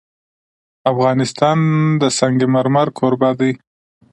افغانستان د سنگ مرمر کوربه دی.